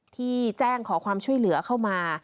ที่แจ้งขอความช่วยเหลือเข้ามา